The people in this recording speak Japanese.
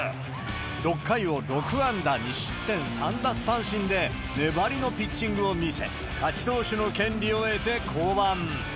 ６回を６安打２失点３奪三振で、粘りのピッチングを見せ、勝ち投手の権利を得て降板。